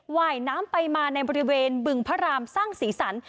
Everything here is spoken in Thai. ว่ายน้ำไปมาในบริเวณบึงพระรามสร้างสีสัน